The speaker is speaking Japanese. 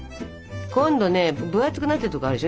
今度ね分厚くなってるところあるでしょ？